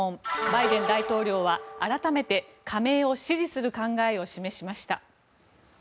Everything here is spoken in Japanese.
バイデン大統領は改めて加盟を支持する考えを示しました。